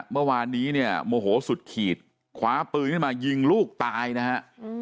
เมื่อวานนี้เนี่ยโมโหสุดขีดคว้าปืนขึ้นมายิงลูกตายนะฮะ